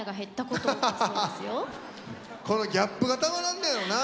このギャップがたまらんのやろな。